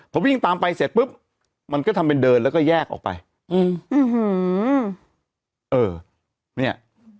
พอวิ่งตามไปเสร็จปุ๊บมันก็ทำเป็นเดินแล้วก็แยกออกไปอืมอื้อหือเออเนี่ย